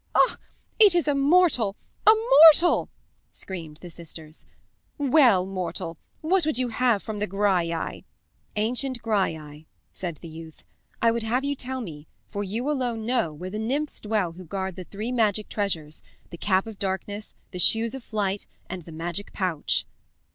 "Ah, it is a mortal, a mortal," screamed the sisters. "Well, mortal, what would you have from the Graiai?" "Ancient Graiai," said the youth, "I would have you tell me, for you alone know, where the nymphs dwell who guard the three magic treasures the cap of darkness, the shoes of flight, and the magic pouch."